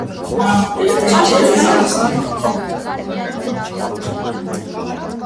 Կաբարդինական սովետական պոեզիայի հիմնադիրը։